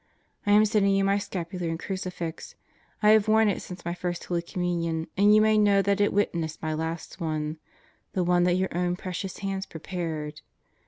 I am sending you my scapular and crucifix. I have worn it since my First Holy Communion and you may know that it witnessed my last one the one that your own precious hands prepared.